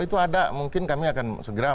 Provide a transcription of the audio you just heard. itu ada mungkin kami akan segera